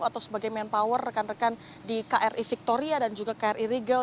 atau sebagai manpower rekan rekan di kri victoria dan juga kri regal